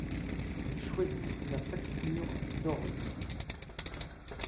Il choisit la facture d'orgues.